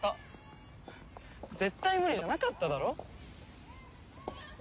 絶対無理じゃなかっただろ。